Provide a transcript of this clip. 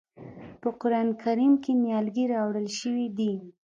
په قرآن کریم کې نیالګی راوړل شوی دی.